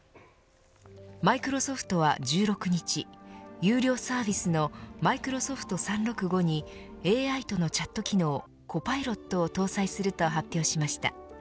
マイクロソフトは１６日有料サービスのマイクロソフト３６５にＡＩとのチャット機能コパイロットを搭載すると発表しました。